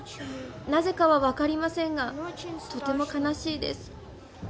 なぜかは分かりませんが、とても悲しいです。